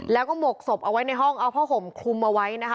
แล้วก็หมกศพเอาไว้ในห้องเอาผ้าห่มคลุมเอาไว้นะคะ